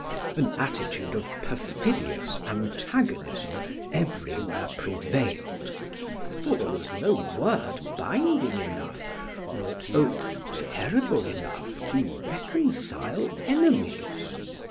An attitude of perfidious antagonism everywhere prevailed; for there was no word binding enough, nor oath terrible enough to reconcile enemies.